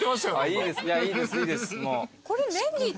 いいですいいですもう。